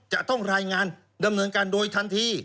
จะต้องรายงานดำเนินการโดยทันที